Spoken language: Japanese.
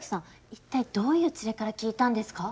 いったいどういうツレから聞いたんですか？